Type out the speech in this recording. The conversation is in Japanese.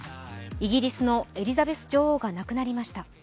イギリスのエリザベス女王が亡くなりました。